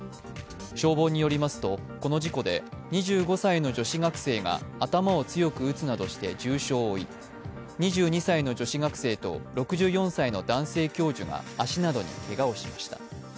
消防によりますと、この事故で２５歳の女子学生が頭を強く打つなどして重傷を負い、２２歳の女子学生と６４歳の男性教授が足などにけがをしました。